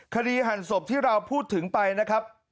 หั่นศพที่เราพูดถึงไปนะครับ